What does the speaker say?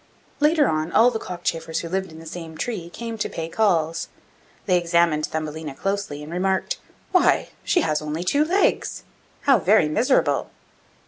Later on, all the other cockchafers who lived in the same tree came to pay calls; they examined Thumbelina closely, and remarked, 'Why, she has only two legs! How very miserable!